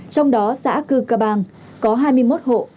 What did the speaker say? trong đó xã cư cơ bang có hai mươi một hộ